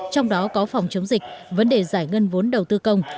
trong đó có phòng chống dịch vấn đề giải ngân vốn đầu tư công